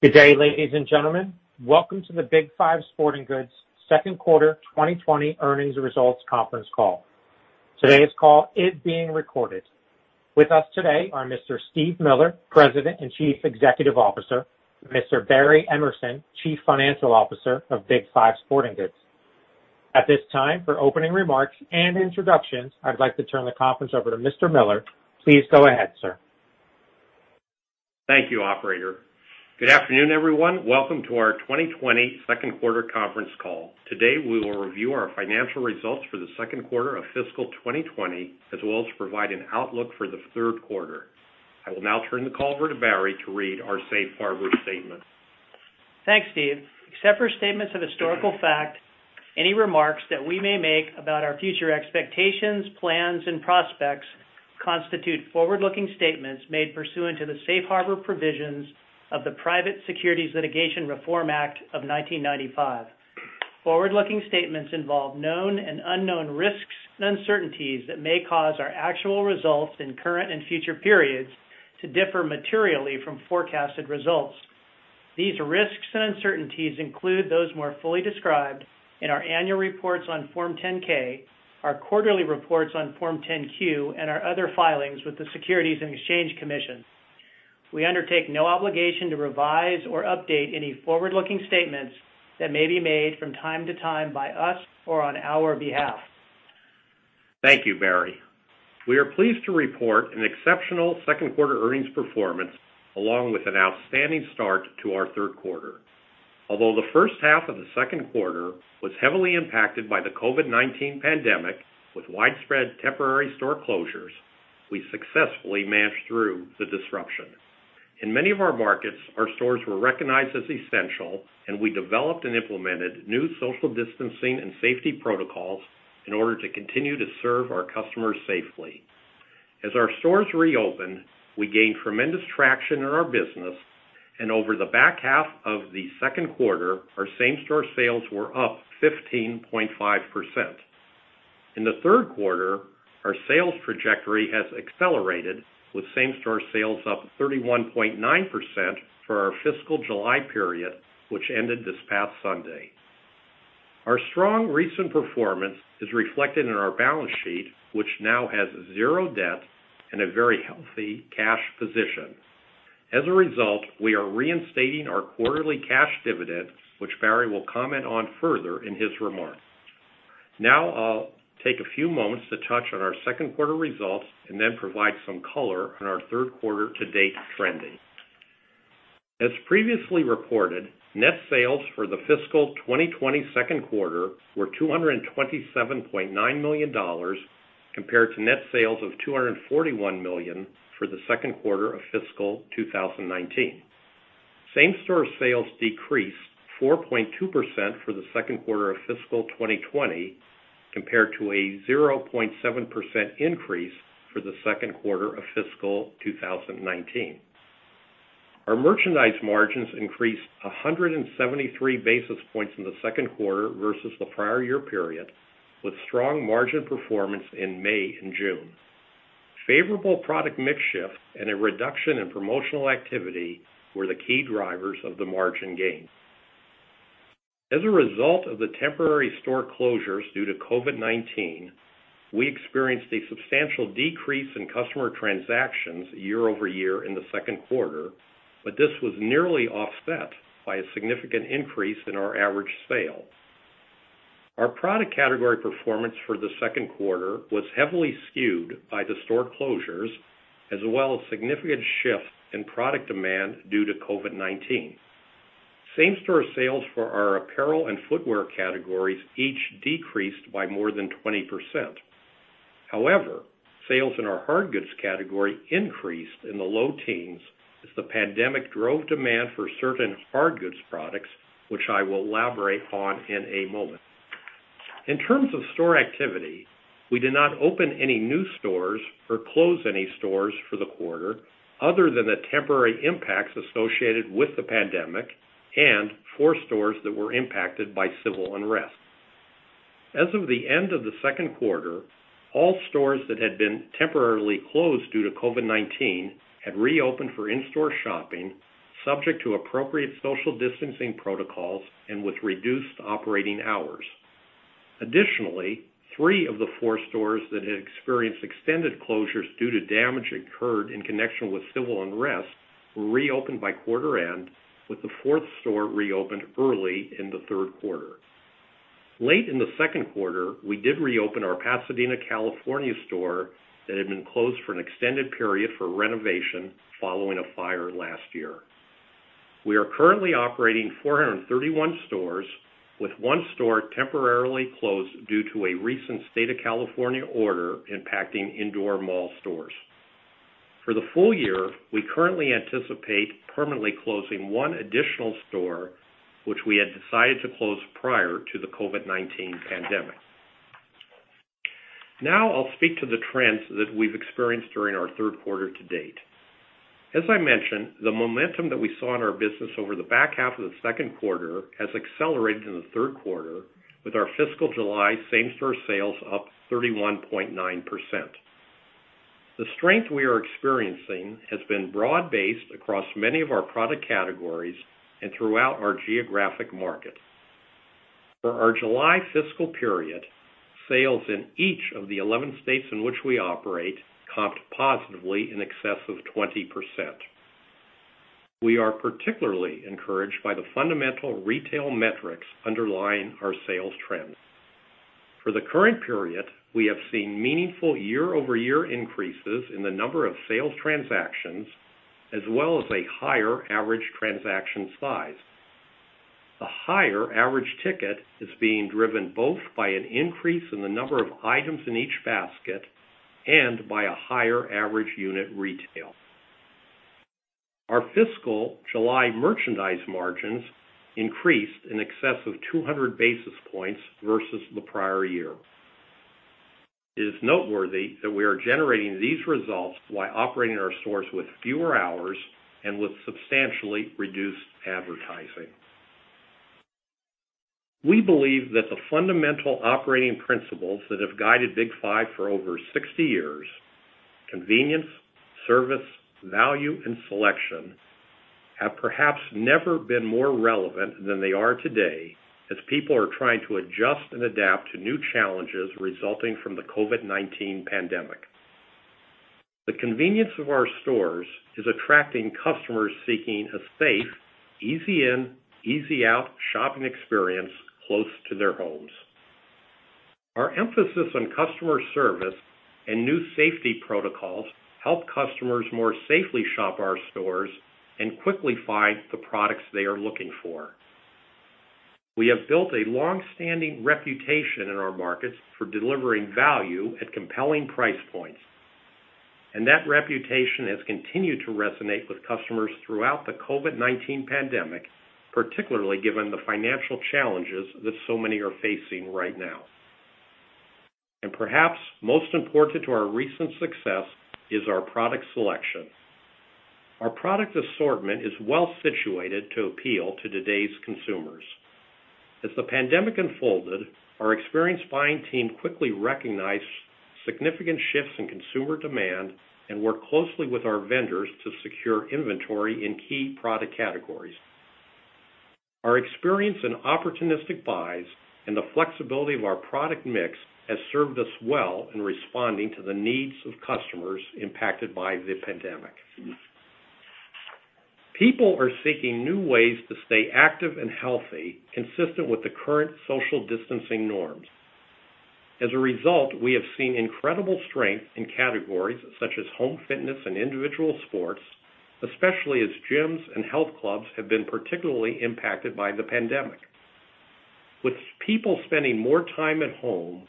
Good day, ladies and gentlemen. Welcome to the Big 5 Sporting Goods second quarter 2020 earnings results conference call. Today's call is being recorded. With us today are Mr. Steve Miller, President and Chief Executive Officer, and Mr. Barry Emerson, Chief Financial Officer of Big 5 Sporting Goods. At this time, for opening remarks and introductions, I'd like to turn the conference over to Mr. Miller. Please go ahead, sir. Thank you, operator. Good afternoon, everyone. Welcome to our 2020 second quarter conference call. Today, we will review our financial results for the second quarter of fiscal 2020, as well as provide an outlook for the third quarter. I will now turn the call over to Barry to read our safe harbor statement. Thanks, Steve. Except for statements of historical fact, any remarks that we may make about our future expectations, plans, and prospects constitute forward-looking statements made pursuant to the safe harbor provisions of the Private Securities Litigation Reform Act of 1995. Forward-looking statements involve known and unknown risks and uncertainties that may cause our actual results in current and future periods to differ materially from forecasted results. These risks and uncertainties include those more fully described in our annual reports on Form 10-K, our quarterly reports on Form 10-Q, and our other filings with the Securities and Exchange Commission. We undertake no obligation to revise or update any forward-looking statements that may be made from time to time by us or on our behalf. Thank you, Barry. We are pleased to report an exceptional second quarter earnings performance along with an outstanding start to our third quarter. Although the first half of the second quarter was heavily impacted by the COVID-19 pandemic with widespread temporary store closures, we successfully managed through the disruption. In many of our markets, our stores were recognized as essential, and we developed and implemented new social distancing and safety protocols in order to continue to serve our customers safely. As our stores reopened, we gained tremendous traction in our business, and over the back half of the second quarter, our same-store sales were up 15.5%. In the third quarter, our sales trajectory has accelerated, with same-store sales up 31.9% for our fiscal July period, which ended this past Sunday. Our strong recent performance is reflected in our balance sheet, which now has zero debt and a very healthy cash position. As a result, we are reinstating our quarterly cash dividend, which Barry will comment on further in his remarks. I'll take a few moments to touch on our second quarter results and then provide some color on our third quarter to date trending. As previously reported, net sales for the fiscal 2020 second quarter were $227.9 million compared to net sales of $241 million for the second quarter of fiscal 2019. Same-store sales decreased 4.2% for the second quarter of fiscal 2020 compared to a 0.7% increase for the second quarter of fiscal 2019. Our merchandise margins increased 173 basis points in the second quarter versus the prior year period, with strong margin performance in May and June. Favorable product mix shift and a reduction in promotional activity were the key drivers of the margin gain. As a result of the temporary store closures due to COVID-19, we experienced a substantial decrease in customer transactions year-over-year in the second quarter, but this was nearly offset by a significant increase in our average sale. Our product category performance for the second quarter was heavily skewed by the store closures as well as significant shifts in product demand due to COVID-19. Same-store sales for our apparel and footwear categories each decreased by more than 20%. However, sales in our hard goods category increased in the low teens as the pandemic drove demand for certain hard goods products, which I will elaborate on in a moment. In terms of store activity, we did not open any new stores or close any stores for the quarter other than the temporary impacts associated with the pandemic and four stores that were impacted by civil unrest. As of the end of the second quarter, all stores that had been temporarily closed due to COVID-19 had reopened for in-store shopping, subject to appropriate social distancing protocols and with reduced operating hours. Three of the four stores that had experienced extended closures due to damage incurred in connection with civil unrest were reopened by quarter end, with the fourth store reopened early in the third quarter. Late in the second quarter, we did reopen our Pasadena, California store that had been closed for an extended period for renovation following a fire last year. We are currently operating 431 stores, with one store temporarily closed due to a recent State of California order impacting indoor mall stores. For the full year, we currently anticipate permanently closing one additional store, which we had decided to close prior to the COVID-19 pandemic. Now, I'll speak to the trends that we've experienced during our third quarter to date. As I mentioned, the momentum that we saw in our business over the back half of the second quarter has accelerated in the third quarter with our fiscal July same-store sales up 31.9%. The strength we are experiencing has been broad-based across many of our product categories and throughout our geographic markets. For our July fiscal period, sales in each of the 11 states in which we operate comped positively in excess of 20%. We are particularly encouraged by the fundamental retail metrics underlying our sales trends. For the current period, we have seen meaningful year-over-year increases in the number of sales transactions, as well as a higher average transaction size. The higher average ticket is being driven both by an increase in the number of items in each basket and by a higher average unit retail. Our fiscal July merchandise margins increased in excess of 200 basis points versus the prior year. It is noteworthy that we are generating these results while operating our stores with fewer hours and with substantially reduced advertising. We believe that the fundamental operating principles that have guided Big 5 for over 60 years, convenience, service, value, and selection, have perhaps never been more relevant than they are today as people are trying to adjust and adapt to new challenges resulting from the COVID-19 pandemic. The convenience of our stores is attracting customers seeking a safe, easy in, easy out shopping experience close to their homes. Our emphasis on customer service and new safety protocols help customers more safely shop our stores and quickly find the products they are looking for. We have built a long-standing reputation in our markets for delivering value at compelling price points, and that reputation has continued to resonate with customers throughout the COVID-19 pandemic, particularly given the financial challenges that so many are facing right now. Perhaps most important to our recent success is our product selection. Our product assortment is well situated to appeal to today's consumers. As the pandemic unfolded, our experienced buying team quickly recognized significant shifts in consumer demand and worked closely with our vendors to secure inventory in key product categories. Our experience in opportunistic buys and the flexibility of our product mix has served us well in responding to the needs of customers impacted by the pandemic. People are seeking new ways to stay active and healthy, consistent with the current social distancing norms. As a result, we have seen incredible strength in categories such as home fitness and individual sports, especially as gyms and health clubs have been particularly impacted by the pandemic. With people spending more time at home,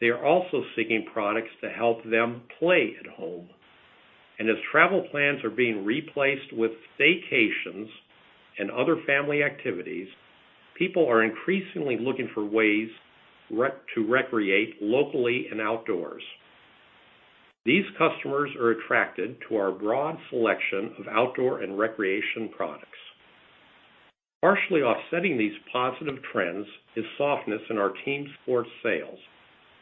they are also seeking products to help them play at home. As travel plans are being replaced with staycations and other family activities, people are increasingly looking for ways to recreate locally and outdoors. These customers are attracted to our broad selection of outdoor and recreation products. Partially offsetting these positive trends is softness in our team sports sales,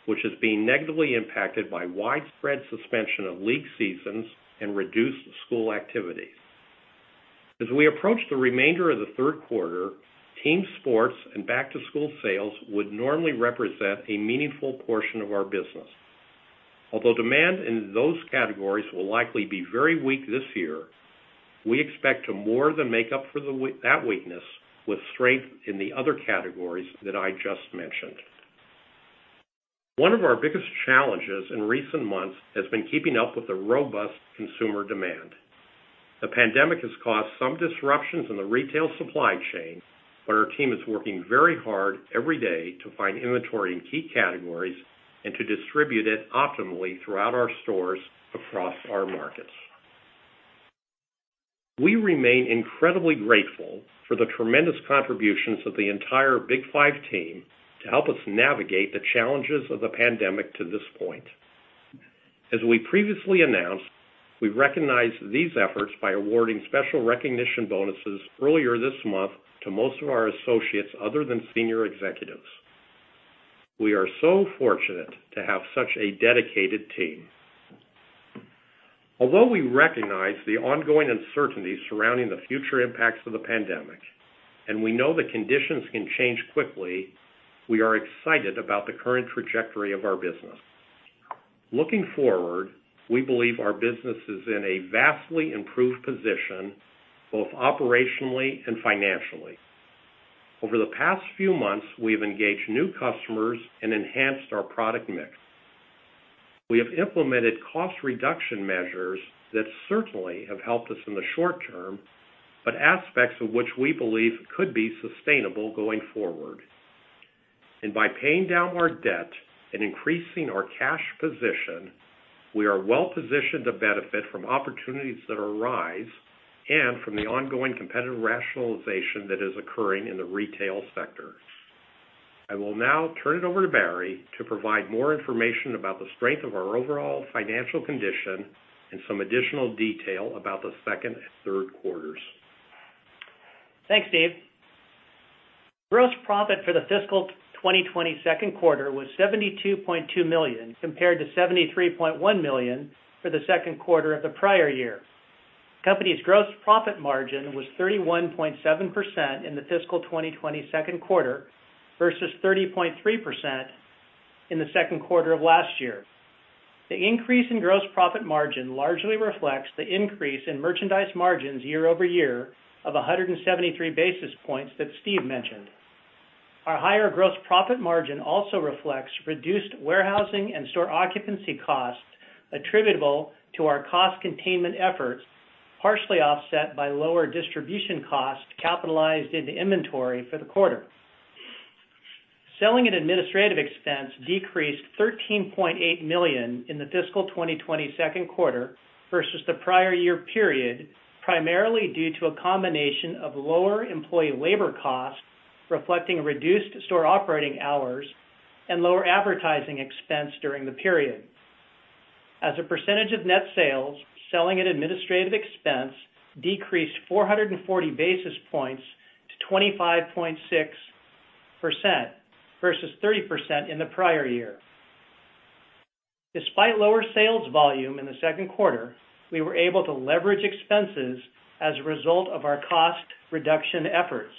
which is being negatively impacted by widespread suspension of league seasons and reduced school activities. As we approach the remainder of the third quarter, team sports and back-to-school sales would normally represent a meaningful portion of our business. Although demand in those categories will likely be very weak this year, we expect to more than make up for that weakness with strength in the other categories that I just mentioned. One of our biggest challenges in recent months has been keeping up with the robust consumer demand. The pandemic has caused some disruptions in the retail supply chain, but our team is working very hard every day to find inventory in key categories and to distribute it optimally throughout our stores across our markets. We remain incredibly grateful for the tremendous contributions of the entire Big 5 team to help us navigate the challenges of the pandemic to this point. As we previously announced, we recognized these efforts by awarding special recognition bonuses earlier this month to most of our associates other than senior executives. We are so fortunate to have such a dedicated team. Although we recognize the ongoing uncertainty surrounding the future impacts of the pandemic, and we know that conditions can change quickly, we are excited about the current trajectory of our business. Looking forward, we believe our business is in a vastly improved position, both operationally and financially. Over the past few months, we have engaged new customers and enhanced our product mix. We have implemented cost reduction measures that certainly have helped us in the short term, but aspects of which we believe could be sustainable going forward. By paying down our debt and increasing our cash position, we are well positioned to benefit from opportunities that arise and from the ongoing competitive rationalization that is occurring in the retail sector. I will now turn it over to Barry to provide more information about the strength of our overall financial condition and some additional detail about the second and third quarters. Thanks, Steve. Gross profit for the fiscal 2020 second quarter was $72.2 million, compared to $73.1 million for the second quarter of the prior year. Company's gross profit margin was 31.7% in the fiscal 2020 second quarter versus 30.3% in the second quarter of last year. The increase in gross profit margin largely reflects the increase in merchandise margins year-over-year of 173 basis points that Steve mentioned. Our higher gross profit margin also reflects reduced warehousing and store occupancy costs attributable to our cost containment efforts, partially offset by lower distribution costs capitalized into inventory for the quarter. Selling and administrative expense decreased $13.8 million in the fiscal 2020 second quarter versus the prior year period, primarily due to a combination of lower employee labor costs, reflecting reduced store operating hours, and lower advertising expense during the period. As a percentage of net sales, selling and administrative expense decreased 440 basis points to 25.6% versus 30% in the prior year. Despite lower sales volume in the second quarter, we were able to leverage expenses as a result of our cost reduction efforts.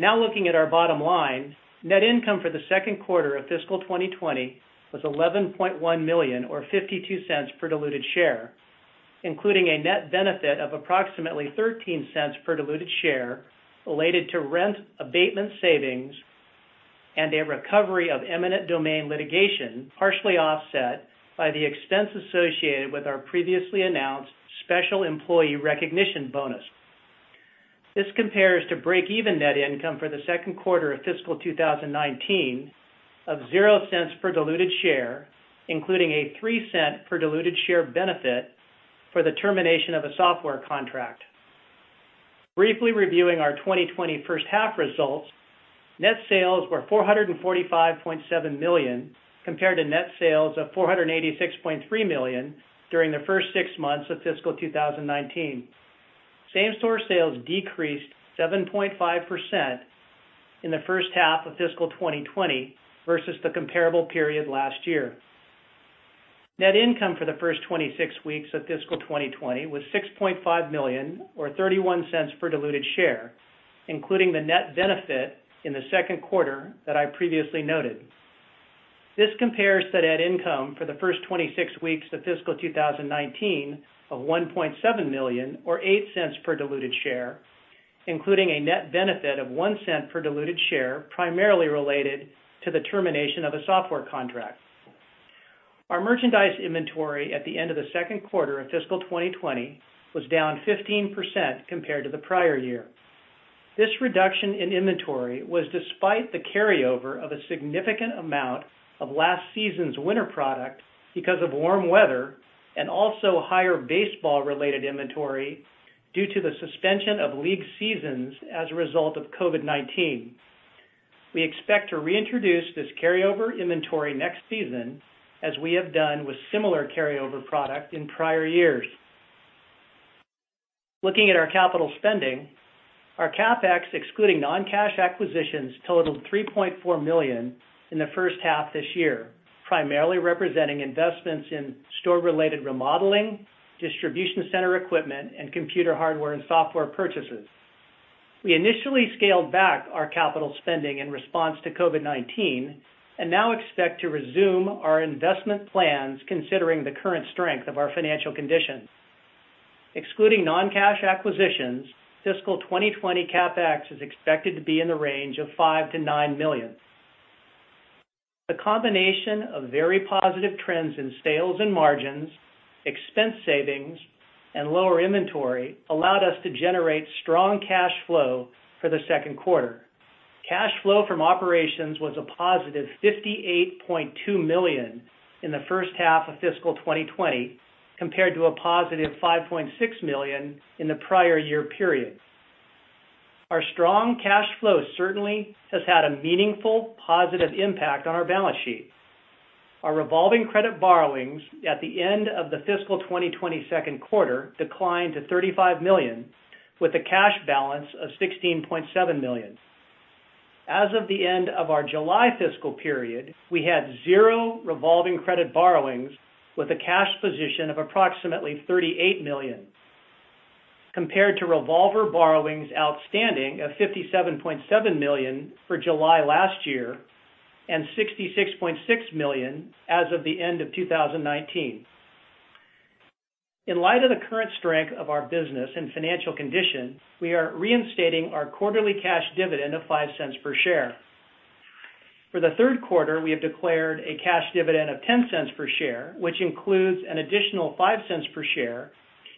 Now looking at our bottom line, net income for the second quarter of fiscal 2020 was $11.1 million, or $0.52 per diluted share, including a net benefit of approximately $0.13 per diluted share related to rent abatement savings and a recovery of eminent domain litigation, partially offset by the expense associated with our previously announced special employee recognition bonus. This compares to break-even net income for the second quarter of fiscal 2019 of $0.00 per diluted share, including a $0.03 per diluted share benefit for the termination of a software contract. Briefly reviewing our 2020 first half results, net sales were $445.7 million, compared to net sales of $486.3 million during the first six months of fiscal 2019. Same-store sales decreased 7.5% in the first half of fiscal 2020 versus the comparable period last year. Net income for the first 26 weeks of fiscal 2020 was $6.5 million, or $0.31 per diluted share, including the net benefit in the second quarter that I previously noted. This compares to net income for the first 26 weeks of fiscal 2019 of $1.7 million, or $0.08 per diluted share, including a net benefit of $0.01 per diluted share, primarily related to the termination of a software contract. Our merchandise inventory at the end of the second quarter of fiscal 2020 was down 15% compared to the prior year. This reduction in inventory was despite the carryover of a significant amount of last season's winter product because of warm weather, and also higher baseball-related inventory due to the suspension of league seasons as a result of COVID-19. We expect to reintroduce this carryover inventory next season, as we have done with similar carryover product in prior years. Looking at our capital spending, our CapEx, excluding non-cash acquisitions, totaled $3.4 million in the first half this year, primarily representing investments in store-related remodeling, distribution center equipment, and computer hardware and software purchases. We initially scaled back our capital spending in response to COVID-19, and now expect to resume our investment plans considering the current strength of our financial conditions. Excluding non-cash acquisitions, fiscal 2020 CapEx is expected to be in the range of $5 million-$9 million. The combination of very positive trends in sales and margins, expense savings, and lower inventory allowed us to generate strong cash flow for the second quarter. Cash flow from operations was a positive $58.2 million in the first half of fiscal 2020, compared to a positive $5.6 million in the prior year period. Our strong cash flow certainly has had a meaningful, positive impact on our balance sheet. Our revolving credit borrowings at the end of the fiscal 2020 second quarter declined to $35 million, with a cash balance of $16.7 million. As of the end of our July fiscal period, we had zero revolving credit borrowings, with a cash position of approximately $38 million, compared to revolver borrowings outstanding of $57.7 million for July last year, and $66.6 million as of the end of 2019. In light of the current strength of our business and financial condition, we are reinstating our quarterly cash dividend of $0.05 per share. For the third quarter, we have declared a cash dividend of $0.10 per share, which includes an additional $0.05 per share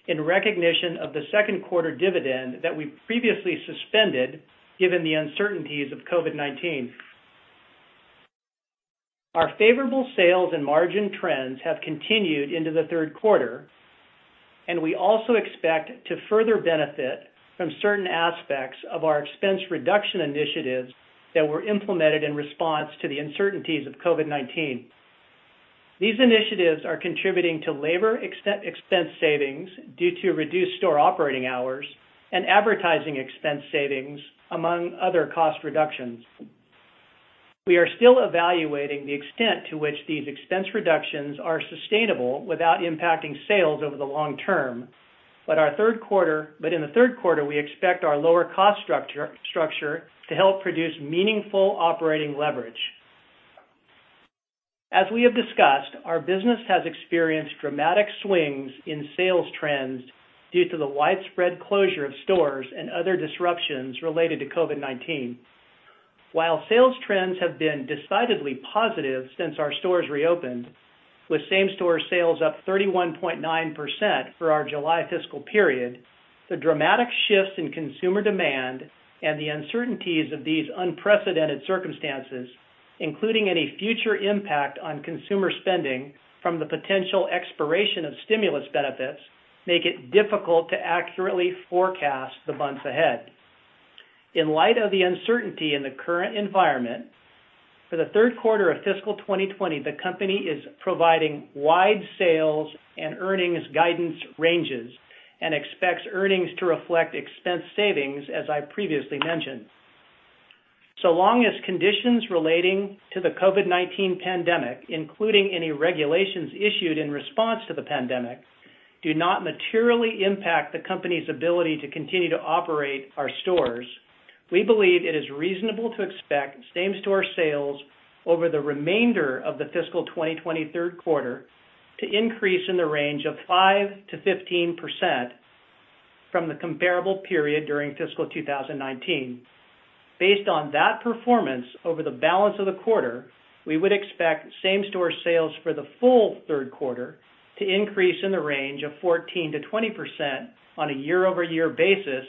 in recognition of the second quarter dividend that we previously suspended given the uncertainties of COVID-19. Our favorable sales and margin trends have continued into the third quarter, and we also expect to further benefit from certain aspects of our expense reduction initiatives that were implemented in response to the uncertainties of COVID-19. These initiatives are contributing to labor expense savings due to reduced store operating hours and advertising expense savings, among other cost reductions. We are still evaluating the extent to which these expense reductions are sustainable without impacting sales over the long term. In the third quarter, we expect our lower cost structure to help produce meaningful operating leverage. As we have discussed, our business has experienced dramatic swings in sales trends due to the widespread closure of stores and other disruptions related to COVID-19. While sales trends have been decidedly positive since our stores reopened, with same-store sales up 31.9% for our July fiscal period, the dramatic shifts in consumer demand and the uncertainties of these unprecedented circumstances, including any future impact on consumer spending from the potential expiration of stimulus benefits, make it difficult to accurately forecast the months ahead. In light of the uncertainty in the current environment, for the third quarter of fiscal 2020, the company is providing wide sales and earnings guidance ranges and expects earnings to reflect expense savings, as I previously mentioned. Long as conditions relating to the COVID-19 pandemic, including any regulations issued in response to the pandemic, do not materially impact the company's ability to continue to operate our stores, we believe it is reasonable to expect same-store sales over the remainder of the fiscal 2020 third quarter to increase in the range of 5%-15% from the comparable period during fiscal 2019. Based on that performance over the balance of the quarter, we would expect same-store sales for the full third quarter to increase in the range of 14%-20% on a year-over-year basis,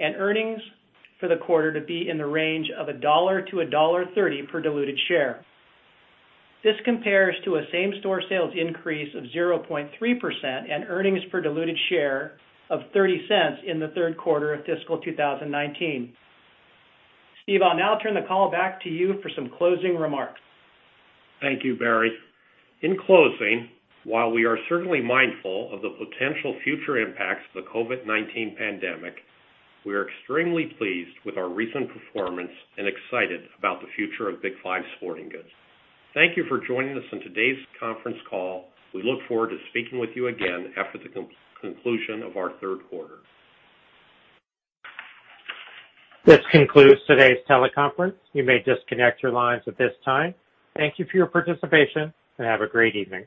and earnings for the quarter to be in the range of $1-$1.30 per diluted share. This compares to a same-store sales increase of 0.3% and earnings per diluted share of $0.30 in the third quarter of fiscal 2019. Steve, I'll now turn the call back to you for some closing remarks. Thank you, Barry. In closing, while we are certainly mindful of the potential future impacts of the COVID-19 pandemic, we are extremely pleased with our recent performance and excited about the future of Big 5 Sporting Goods. Thank you for joining us on today's conference call. We look forward to speaking with you again after the conclusion of our third quarter. This concludes today's teleconference. You may disconnect your lines at this time. Thank you for your participation, and have a great evening.